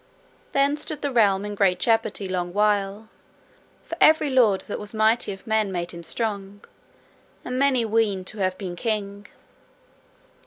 Then stood the realm in great jeopardy long while, for every lord that was mighty of men made him strong, and many weened to have been king.